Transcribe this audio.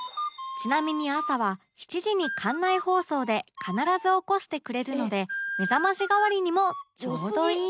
ちなみに朝は７時に館内放送で必ず起こしてくれるので目覚まし代わりにもちょうどいい